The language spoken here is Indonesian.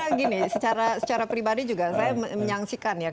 karena gini secara pribadi juga saya menyaksikan ya